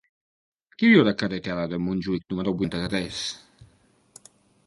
Qui viu a la carretera de Montjuïc número vuitanta-tres?